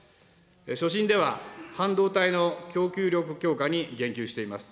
所信では半導体の供給力強化に言及しています。